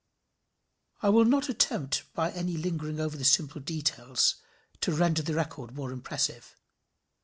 I will not attempt by any lingering over the simple details to render the record more impressive.